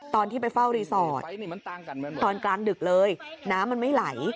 ตอนที่ไปเฝ้ารีสอร์ทตอนกลางดึกเลยน้ำมันไม่ไหล